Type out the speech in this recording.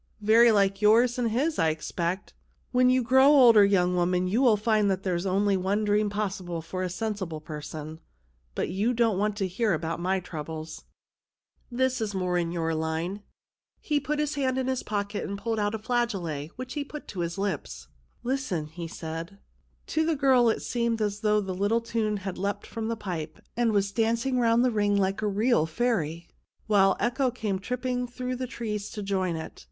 " Very like yours and his, I expect ; when you grow older, young woman, you'll find there's really only one dream possible for a sensible person. But you don't want to hear about my troubles. This is more in your line." He put his hand in his pocket and CHILDREN OF THE MOON 161 pulled out a flageolet, which he put to his lips. " Listen !" he said. To the girl it seemed as though the little tune had leapt from the pipe, and was dancing round the ring like a real fairy, while echo came tripping through the trees to join it.